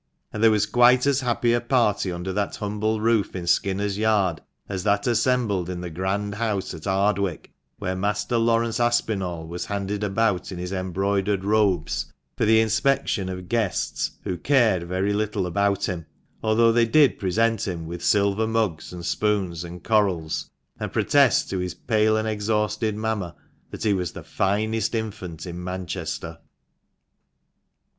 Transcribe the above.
And there was quite as happy a party under that humble roof in Skinners' Yard as that assembled in the grand house at Ardwick, where Master Laurence Aspinall was handed about in his embroidered robes for the inspection of guests who cared very little about him, although they did present him with silver mugs, and spoons, and corals, and protest to his pale and exhausted mamma that he was the finest infant in Manchester.